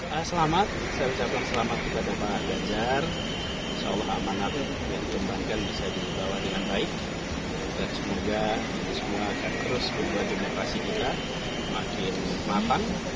dan memberikan manfaat yang lebih besar bagi seluruh masyarakat